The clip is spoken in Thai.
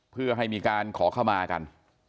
เพื่อให้มีการขอเข้ามากัน